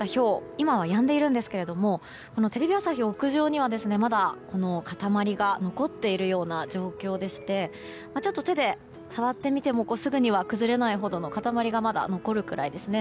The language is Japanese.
今はやんでいるんですけれどもテレビ朝日屋上にはまだ塊が残っているような状況でしてちょっと手で触ってみてもすぐには崩れないほどの塊がまだ残るくらいですね。